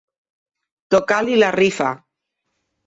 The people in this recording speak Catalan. Tocar-li la rifa.